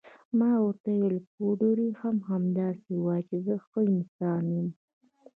ما ورته وویل: پادري هم همداسې وایي چې زه ښه انسان یم.